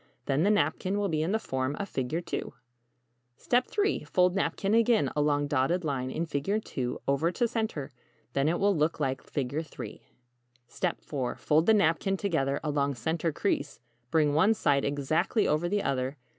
Then the napkin will be in the form of =Figure II= 3. Fold napkin again along dotted line in =Figure II= over to center. Then it will look like =Figure III= 4. Fold the napkin together along center crease, bring one side exactly over the other.